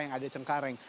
yang ada di cengkareng